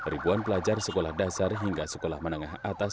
ribuan pelajar sekolah dasar hingga sekolah menengah atas